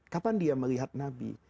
kapan dia melihat nabi